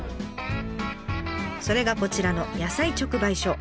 それがこちらの野菜直売所。